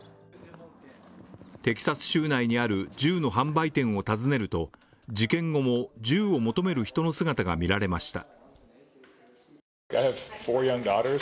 テキサス州内にある銃の販売店を訪ねると、事件後も銃を求める人の姿が見られました。